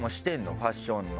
ファッションの。